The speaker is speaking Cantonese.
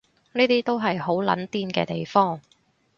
呢啲都係好撚癲嘅地方